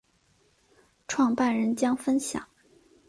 创办人将分享